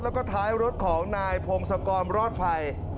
แล้วก็ท้ายรถของนายพงศกรรอดภัย